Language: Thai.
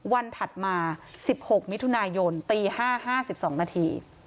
วันถัดมาสิบหกมิถุนายนตีห้าห้าสิบสองนาที